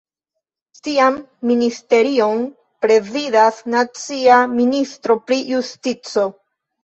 Tian ministerion prezidas nacia ministro pri justico.